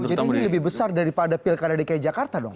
jadi ini lebih besar daripada pilkara dki jakarta dong